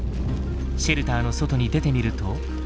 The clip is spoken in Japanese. シェルターの外に出てみると。